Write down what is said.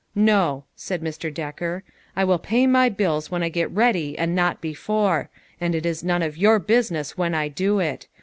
" No," said Mr. Decker ;" I will pay my bills when I get ready and not before ; and it is none of your business when I do it.